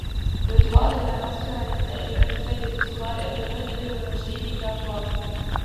Le droit de la nationalité est le reflet de l'histoire et de l'idéologie migratoire.